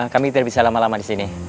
kami tidak bisa lama lama di sini